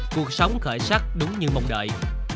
cuộc sống khởi sắc đúng như mong đợi